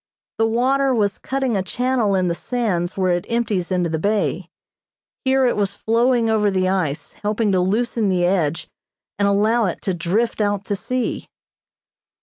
The water was cutting a channel in the sands where it empties into the bay. Here it was flowing over the ice, helping to loosen the edge and allow it to drift out to sea.